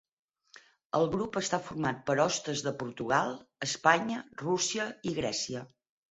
El grup està format per hostes de Portugal, Espanya, Rússia i Grècia.